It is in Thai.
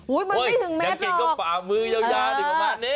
โอ๊ยมันไม่ถึงเมตรหรอกโอ๊ยแชมป์กินก็ป่ามือยาวถึงประมาณนี้